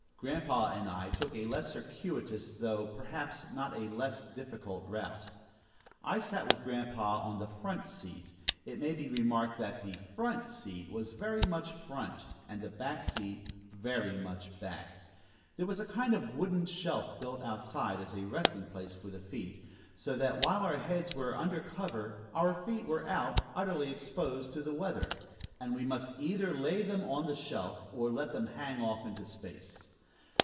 Grandpa and I took a less circuitous, though, perhaps, not less difficult route. I sat with Grandpa on the "front" seat it may be remarked that the "front" seat was very much front, and the "back" seat very much back there was a kind of wooden shelf built outside as a resting place for the feet, so that while our heads were under cover, our feet were out, utterly exposed to the weather, and we must either lay them on the shelf or let them hang off into space.